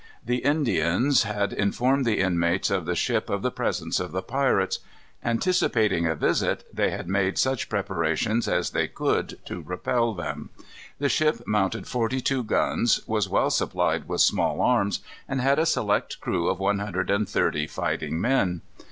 The Indians had informed the inmates of the ship of the presence of the pirates. Anticipating a visit, they had made such preparations as they could to repel them. The ship mounted forty two guns, was well supplied with small arms, and had a select crew of one hundred and thirty fighting men.